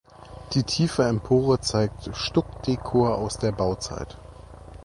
Die tiefe Empore zeigt Stuckdekor aus der Bauzeit.